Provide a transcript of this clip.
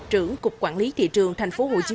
trong kinh tế